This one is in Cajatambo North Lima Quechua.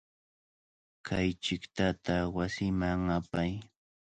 Kay chiqtata wasiman apay.